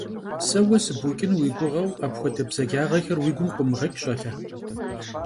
Se vue sıbuç'ın vui guğeu apxuede bzacağexer vui gum khıumığeç', ş'ale.